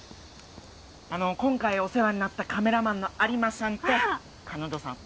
あの今回お世話になったカメラマンの有馬さんと彼女さん